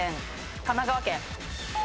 神奈川県。